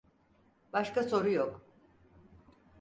Başka soru yok.